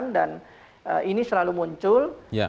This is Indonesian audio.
dan ini selalu muncul